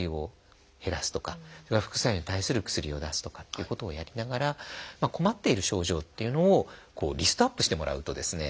それから副作用に対する薬を出すとかっていうことをやりながら困っている症状っていうのをリストアップしてもらうとですね